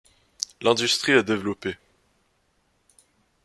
L'industrie est développée.